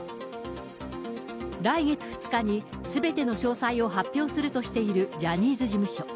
来月２日にすべての詳細を発表するとしているジャニーズ事務所。